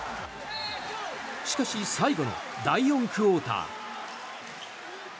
しかし、最後の第４クオーター。